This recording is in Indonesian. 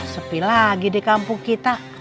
sepi lagi di kampung kita